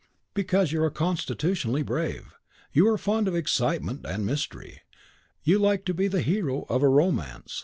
"Because you are constitutionally brave; you are fond of excitement and mystery; you like to be the hero of a romance.